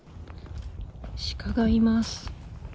鹿がいます。